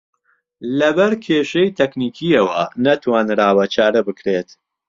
لەبەر کێشەی تەکنیکییەوە نەتوانراوە چارە بکرێت